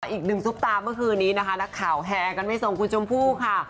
อีกหนึ่งซุปตาเมื่อคืนนี้นะคะนักข่าวแหกันไม่ส่งคุณชมพู่ค่ะ